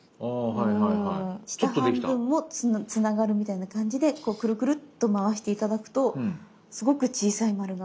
下半分もつながるみたいな感じでこうクルクルっと回して頂くとすごく小さい丸が。